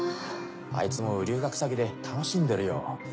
あいつも留学先で楽しんでるよ。